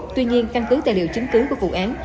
tuy nhiên căn cứ tài liệu chứng cứ của vụ án